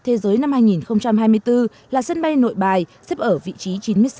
thế giới năm hai nghìn hai mươi bốn là sân bay nội bài xếp ở vị trí chín mươi sáu